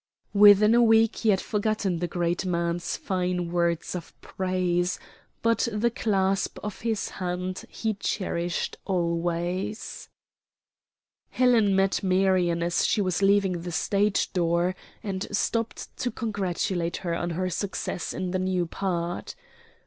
Within a week he had forgotten the great man's fine words of praise, but the clasp of his hand he cherished always. Helen met Marion as she was leaving the stage door and stopped to congratulate her on her success in the new part.